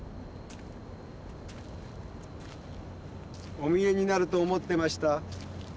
お見えになると思ってました。